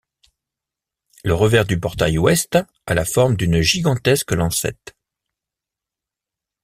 Le revers du portail ouest a la forme d'une gigantesque lancette.